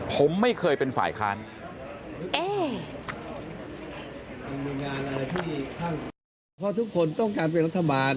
ผมไม่เคยเป็นฝ่ายค้าน